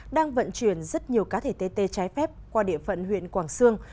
đang vận chuyển rất nhiều cá thể tt trái phép qua địa phận huyện quảng sương